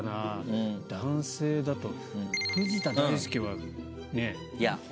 男性だと藤田大介はね。